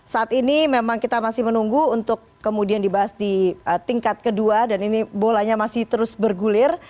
saat ini memang kita masih menunggu untuk kemudian dibahas di tingkat kedua dan ini bolanya masih terus bergulir